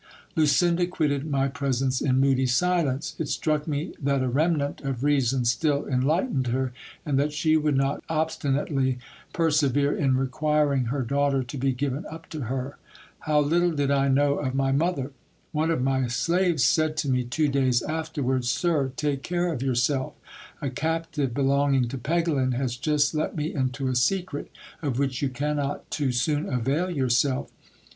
Lucinda quitted my presence in moody silence. It struck me that a remnant of reason still en lightened her, and that she would not obstinately persevere in requiring her laughter to be given up to her. How little did I know of my mother ! One of 196 GIL BLAS. my slaves said to me two days afterwards : Sir, take care of yourself. A cap tive belonging to Pegelm has just let me into a secret, of which you cannot too soon avail yourself.